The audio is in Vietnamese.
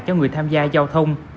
cho người tham gia giao thông